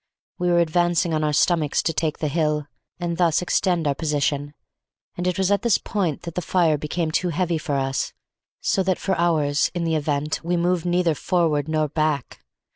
We were advancing on our stomachs to take the hill, and thus extend our position, and it was at this point that the fire became too heavy for us, so that for hours (in the event) we moved neither forward nor back.